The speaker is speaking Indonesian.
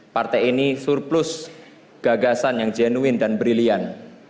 partai ini surplus gagasan yang jenuin dan brilian